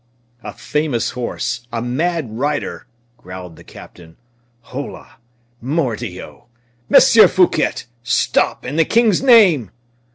"A famous horse! a mad rider!" growled the captain. "Hola! mordioux! Monsieur Fouquet! stop! in the king's name!"